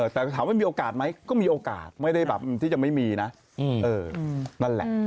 แต่ถามว่ามีโอกาสไหมก็มีโอกาสไม่ได้แบบที่จะไม่มีนะนั่นแหละ